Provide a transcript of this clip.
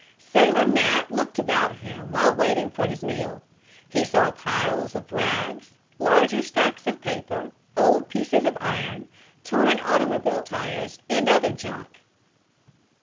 Sailor Matt looked about him while waiting for his meal. He saw piles of rags, larger stacks of papers, old pieces of iron, torn automobile tires and other junk.